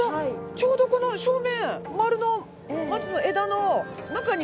ちょうどこの正面丸の松の枝の中に。